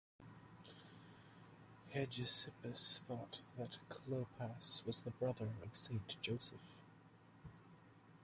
Hegesippus thought that Clopas was the brother of Saint Joseph.